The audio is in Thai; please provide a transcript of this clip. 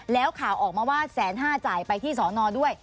แล้วข่าวออกมาว่า๑๕๐๐จ่ายไปที่สอนอด้วย